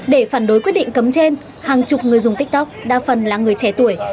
để phản đối quyết định cấm trên hàng chục người dùng tiktok đa phần là người trẻ tuổi